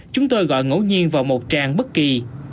chúng tôi gọi ngẫu nhiên vào một trang bất kỳ